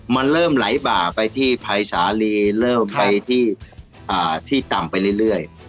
มันเริ่มไหลบ่าไปที่ภายสาลีเริ่มไปที่อ่าที่ต่ำไปเรื่อยเรื่อย